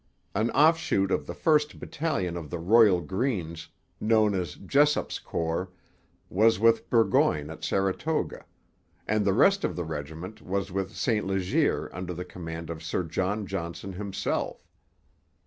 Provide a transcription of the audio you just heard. An offshoot of the first battalion of the 'Royal Greens,' known as Jessup's Corps, was with Burgoyne at Saratoga; and the rest of the regiment was with St Leger, under the command of Sir John Johnson himself.